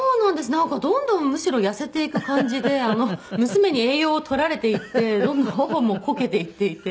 なんかどんどんむしろ痩せていく感じで娘に栄養を取られていってどんどん頬もこけていっていて。